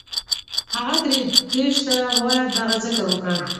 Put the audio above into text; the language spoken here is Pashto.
هغه دري دېرش زره واره دغه ذکر وکړ.